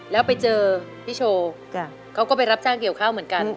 แล้วไปเจอพี่โชว์เขาก็ไปรับจ้างเกี่ยวข้าวเหมือนกัน